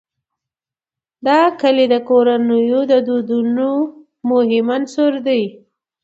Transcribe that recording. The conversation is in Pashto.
دا کلي د کورنیو د دودونو مهم عنصر دی.